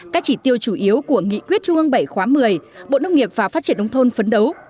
các chỉ tiêu chủ yếu của nghị quyết trung ương bảy khóa một mươi bộ nông nghiệp và phát triển nông thôn phấn đấu